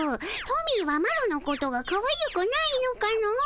トミーはマロのことがかわゆくないのかの？